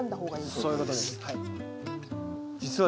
そういうことですはい。